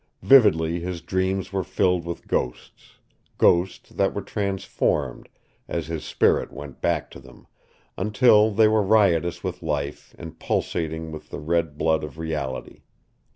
Vividly his dreams were filled with ghosts ghosts that were transformed, as his spirit went back to them, until they were riotous with life and pulsating with the red blood of reality.